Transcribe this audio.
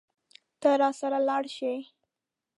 ته راسره لاړ شې.